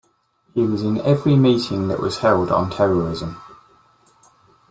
He was in every meeting that was held on terrorism.